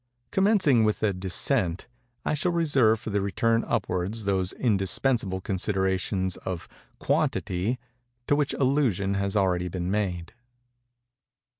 Commencing with a descent, I shall reserve for the return upwards those indispensable considerations of quantity to which allusion has already been made.